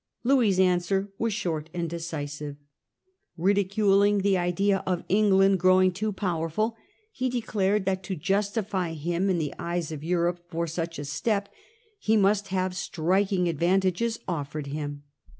Louis's answer was short and decisive. Ridiculing the idea of England growing too powerful, he declared that to justify him in the eyes of Europe for such a step he must have striking Louis's advantages offered him.